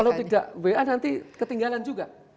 kalau tidak wa nanti ketinggalan juga